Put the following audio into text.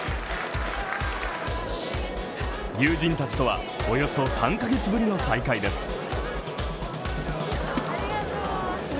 友人たちとはおよそ３カ月ぶりの再会です。